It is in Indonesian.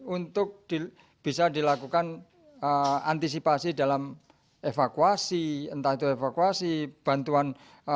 untuk bisa dilakukan antisipasi dalam evakuasi entah itu evakuasi bantuan